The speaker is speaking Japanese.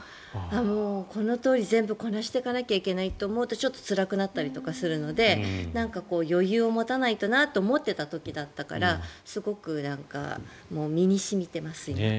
このとおり全部こなしていかないといけないと思うとつらくなったりするのでなんか余裕を持たないとなと思っていた時だったからすごく身に染みてます、今。